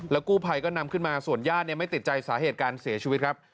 กู้ภัยก็นำขึ้นมาส่วนญาติไม่ติดใจสาเหตุการเสียชีวิตครับ